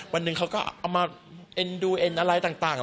วันหนึ่งเขาก็เอามาเอ็นดูเอ็นอะไรต่าง